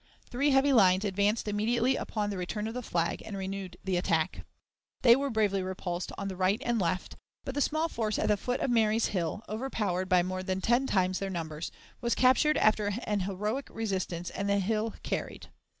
Three heavy lines advanced immediately upon the return of the flag and renewed the attack. They were bravely repulsed on the right and left, but the small force at the foot of Marye's Hill, overpowered by more than ten times their numbers, was captured after an heroic resistance and the hill carried.